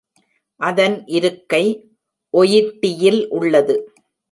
அதன் இருக்கை ஒயிட்டியில் உள்ளது.